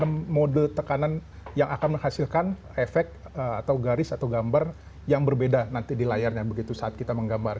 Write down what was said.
jadi sudah tekanan yang akan menghasilkan efek atau garis atau gambar yang berbeda nanti di layarnya begitu saat kita menggambar